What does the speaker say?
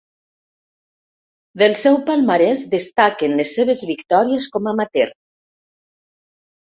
Del seu palmarès destaquen les seves victòries com amateur.